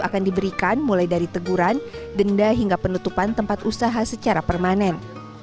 akan diberikan mulai dari teguran denda hingga penutupan tempat usaha secara permanen